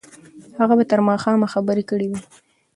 هغه به تر ماښامه خبرې کړې وي.